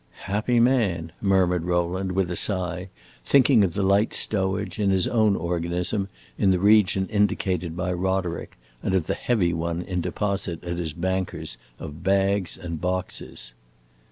"Happy man!" murmured Rowland with a sigh, thinking of the light stowage, in his own organism, in the region indicated by Roderick, and of the heavy one in deposit at his banker's, of bags and boxes.